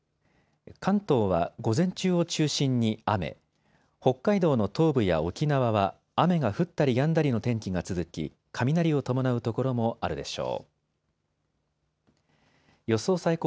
関東は午前中を中心に雨、北海道の東部や沖縄は雨が降ったりやんだりの天気が続き、雷を伴う所もあるでしょう。